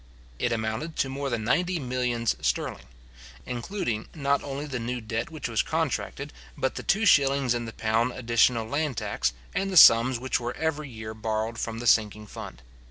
It amounted to more than ninety millions sterling, including not only the new debt which was contracted, but the two shillings in the pound additional land tax, and the sums which were every year borrowed from the sinking fund.